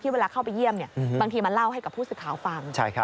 เวลาเข้าไปเยี่ยมบางทีมาเล่าให้กับผู้สื่อข่าวฟัง